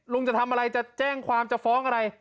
จะทำอะไรจะแจ้งความจะฟ้องอะไร